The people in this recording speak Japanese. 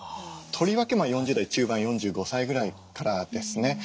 とりわけ４０代中盤４５歳ぐらいからですね。